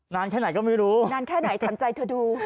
นานแค่ไหนก็ไม่รู้นานแค่ไหนถามใจเธอดู